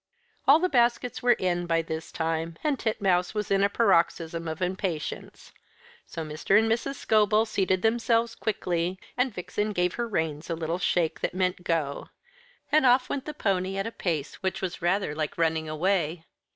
All the baskets were in by this time, and Titmouse was in a paroxysm of impatience; so Mr. and Mrs. Scobel seated themselves quickly, and Vixen gave her reins a little shake that meant Go, and off went the pony at a pace which was rather like running away.